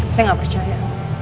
saya gak percaya